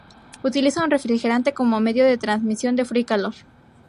Utiliza un refrigerante como medio de transmisión de frío y calor.